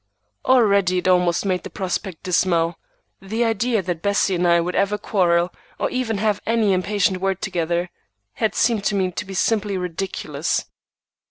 Already it almost made the prospect dismal. The idea that Bessie and I would ever quarrel, or even have any impatient words together, had seemed to me to be simply ridiculous.